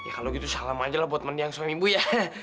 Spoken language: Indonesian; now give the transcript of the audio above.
oh iya bu kalau gitu salam aja lah buat mendiang suami ibu ya